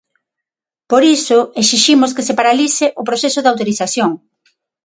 Por iso exiximos que se paralice o proceso de autorización.